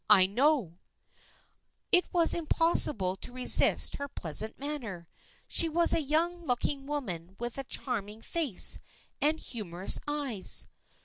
/ know !" It was impossible to resist her pleasant manner. She was a young looking woman with a charming face and humorous eyes.